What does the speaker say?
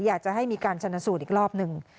อยากจะให้มีการชนสูตรอีกรอบหนึ่ง